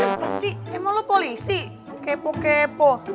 hei apa sih emang lo polisi kepo kepo